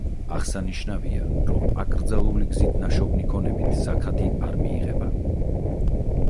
აღსანიშნავია, რომ აკრძალული გზით ნაშოვნი ქონებით ზაქათი არ მიიღება.